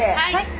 はい。